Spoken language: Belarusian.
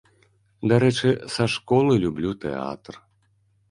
Дарэчы, са школы люблю тэатр.